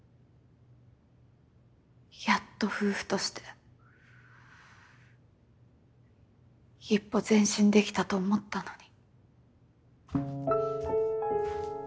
やっと夫婦として一歩前進できたと思ったのに。